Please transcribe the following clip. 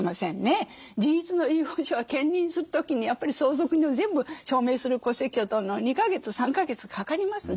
自筆の遺言書は検認する時にやっぱり相続人を全部証明する戸籍を取るのに２か月３か月かかりますね。